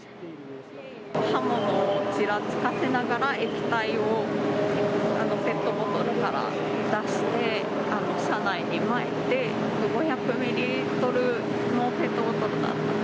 刃物をちらつかせながら、液体をペットボトルから出して、車内にまいて、５００ミリリットルのペットボトルだったと。